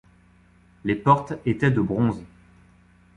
Les portes étaient de bronze.